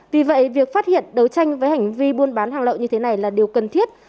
vì vậy việc phát hiện đấu tranh với hành vi buôn bán hàng lậu như thế này là điều cần thiết